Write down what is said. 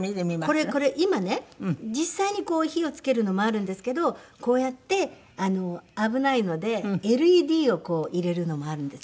これこれ今ね実際にこう火をつけるのもあるんですけどこうやって危ないのでＬＥＤをこう入れるのもあるんですよ。